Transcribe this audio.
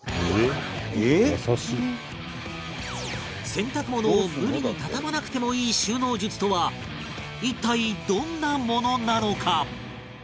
洗濯物を無理に畳まなくてもいい収納術とは一体どんなものなのか？